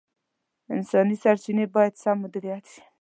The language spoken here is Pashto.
انساني سرچیني باید سم مدیریت شي.